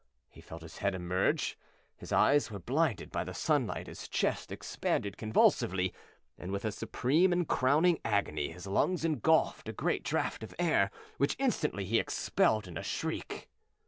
He felt his head emerge; his eyes were blinded by the sunlight; his chest expanded convulsively, and with a supreme and crowning agony his lungs engulfed a great draught of air, which instantly he expelled in a shriek!